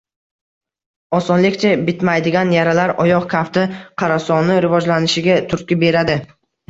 Osonlikcha bitmaydigan yaralar, oyoq kafti qorasoni rivojlanishiga turtki beradi